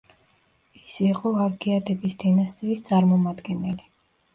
ის იყო არგეადების დინასტიის წარმომადგენელი.